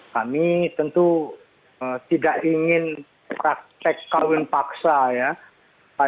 kami tentu tidak ingin praktek kawin paksa ya